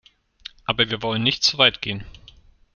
Aber wir wollen nicht zu weit gehen.